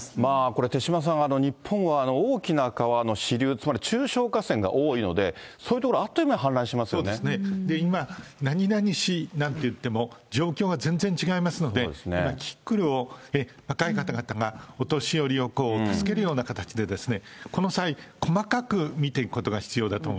これ、手嶋さん、日本は大きな川の支流、つまり中小河川が多いので、そういう所、あっという間に氾濫しまそうですね、今、何々市なんていっても状況が全然違いますので、今、キキクルを若い方々が、お年寄りを助けるような形で、この際、細かく見ていくことが必要